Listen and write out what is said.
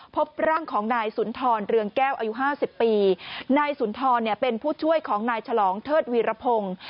พบร่างของนายสุนทรเรืองแก้วอายุห้าสิบปีนายสุนทรเนี่ยเป็นผู้ช่วยของนายฉลองเทิดวีรพงศ์